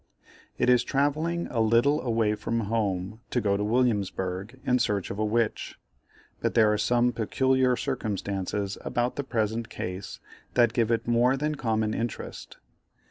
It is travelling a little away from home to go to Williamsburgh in search of a witch, but there are some peculiar circumstances about the present case, that give it more than common interest.